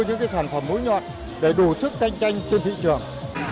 những sản phẩm mối nhọn đầy đủ sức cạnh tranh trên thị trường